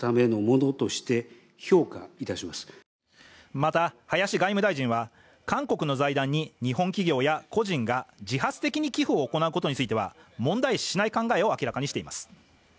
また、林外務大臣は韓国の財団にに個人が自発的に寄付を行うことついては問題視しない考えを明らかにしています。